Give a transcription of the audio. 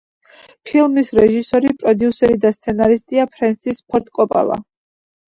ფილმის რეჟისორი, პროდიუსერი და სცენარისტია ფრენსის ფორდ კოპოლა.